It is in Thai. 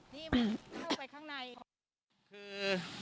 มันเข้าไปข้างใน